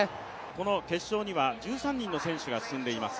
この決勝には１３人の選手が進んでいます。